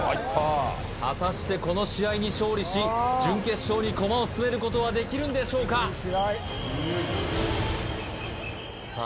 果たしてこの試合に勝利し準決勝に駒を進めることはできるんでしょうかさあ